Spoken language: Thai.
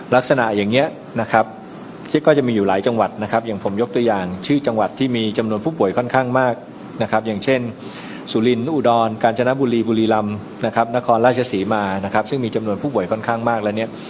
ลักษณะอย่างนี้ที่ก็จะมีอยู่หลายจังหวัดอย่างผมยกตัวอย่างชื่อจังหวัดที่มีจำนวนผู้ป่วยค่อนข้างมากอย่างเช่นสุลินอุดรกาญจนบุรีบุรีลำนครราชศรีมาอาซึ่งมีจำนวนผู้ป่วยค่อนข้างมาก